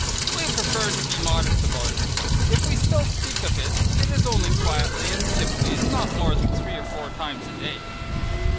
We prefer to be modest about it. If we still speak of it, it is only quietly and simply and not more than three or four times a day.